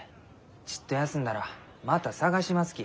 ちっと休んだらまた探しますき。